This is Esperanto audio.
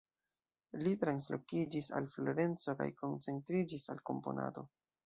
Li translokiĝis al Florenco kaj koncentriĝis al komponado.